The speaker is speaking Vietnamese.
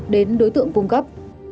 đến đối tượng cung cấp